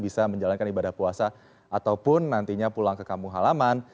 bisa menjalankan ibadah puasa ataupun nantinya pulang ke kampung halaman